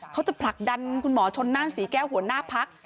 ผลักดันคุณหมอชนนั่นศรีแก้วหัวหน้าพัก